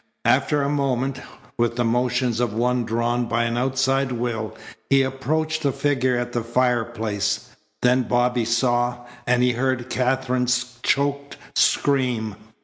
After a moment, with the motions of one drawn by an outside will, he approached the figure at the fireplace. Then Bobby saw, and he heard Katherine's choked scream.